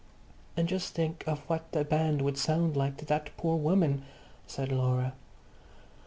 "And just think of what the band would sound like to that poor woman," said Laura.